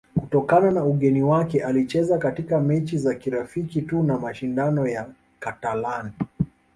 kutokana na ugeni wake alicheza katika mechi za kirafiki tu na mashindano ya katalani